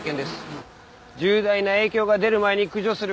重大な影響が出る前に駆除する事が大切です。